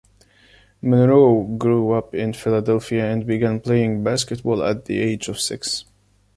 Monroe grew up in Philadelphia and began playing basketball at the age of six.